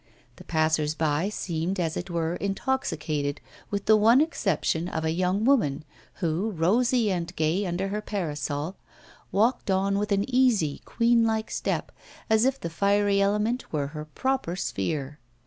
The passers by seemed, as it were, intoxicated, with the one exception of a young woman, who, rosy and gay under her parasol, walked on with an easy queen like step, as if the fiery element were her proper sphere.